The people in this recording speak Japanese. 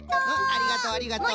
ありがとうありがとう！